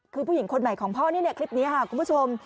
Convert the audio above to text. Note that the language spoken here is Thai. คือผู้หญิงคนใหม่ของพ่อนี่คลิปนี้ค่ะคุณผู้ชม